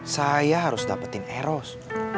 saya harus dapetin eros